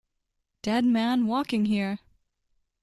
Dead man walking here!